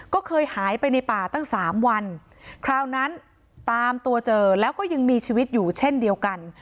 ก็เคยหายไปในป่าตั้งสามวันคราวนั้นตามตัวเจอแล้วก็ยังมีชีวิตอยู่เช่นเดียวกัน